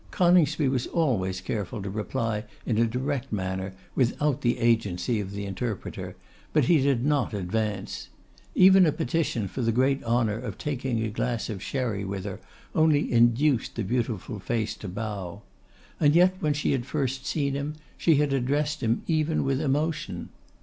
Coningsby was always careful to reply in a direct manner, without the agency of the interpreter; but he did not advance. Even a petition for the great honour of taking a glass of sherry with her only induced the beautiful face to bow. And yet when she had first seen him, she had addressed him even with emotion.